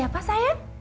salam samban tante fanny